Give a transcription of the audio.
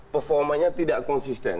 performanya tidak konsisten